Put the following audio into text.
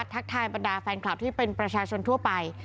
ทักทายบรรดาแฟนคลับที่เป็นประชาชนทั่วไป